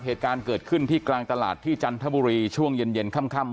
เหตุการณ์เกิดขึ้นที่กลางตลาดที่จันทบุรีช่วงเย็นเย็นค่ำ